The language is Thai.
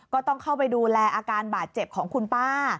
ก็ต้องเข้าไปดูแลอาการบาดเจ็บของคุณป้า